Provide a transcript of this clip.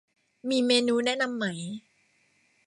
มีเมนูแนะนำไหม